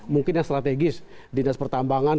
mungkin yang strategis dinas pertambangan